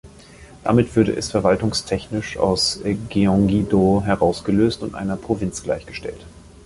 Damit würde es verwaltungstechnisch aus Gyeonggi-do herausgelöst und einer Provinz gleichgestellt.